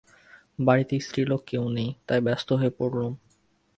বাড়িতে স্ত্রীলোক কেউ নেই, তাই ব্যস্ত হয়ে পড়লুম।